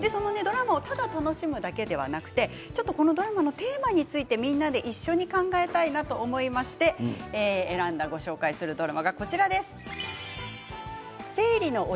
ただ楽しむのではなくこのドラマのテーマについてみんなで一緒に考えたいなと思いまして、選んだご紹介するドラマがこちらです。